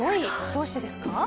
どうしてですか？